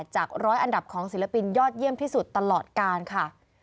จากร้อยอันดับของศิลปินยอดเยี่ยมที่สุดตลอดกาลค่ะ